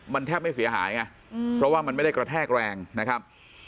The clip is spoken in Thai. มันแทบไม่เสียหายไงเพราะว่ามันไม่ได้กระแทกแรงนะครับ